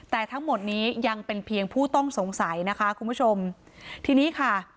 แต่ทั้งหมดนี้ยังเป็นเพียงผู้ต้องสงสัยนะคะคุณผู้ชมทีนี้ค่ะ